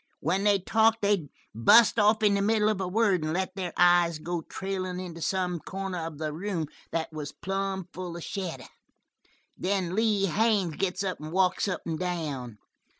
When they talked, they'd bust off in the middle of a word and let their eyes go trailin' into some corner of the room that was plumb full of shadow. Then Lee Haines gets up and walks up and down.